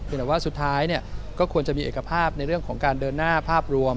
แต่ว่าสุดท้ายก็ควรจะมีเอกภาพในเรื่องของการเดินหน้าภาพรวม